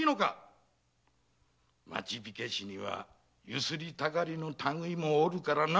町火消しには強請たかりの類もおるからな！